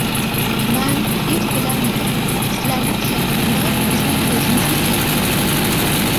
مەن ھېچ بىلەلمىدىم، سىلەرنىڭ شەھىرىڭلار بىزنىڭ كۆزىمىزگە سىغمايدۇ.